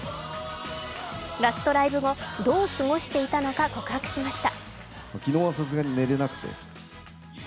ラストライブ後、どう過ごしていたのか告白しました。